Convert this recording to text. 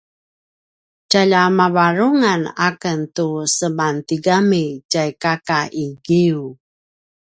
tjalja mavarungan aken tu semantigami tjai kaka i giyu